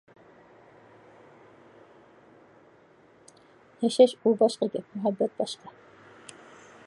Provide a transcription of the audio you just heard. ياشاش ئۇ باشقا گەپ، مۇھەببەت باشقا.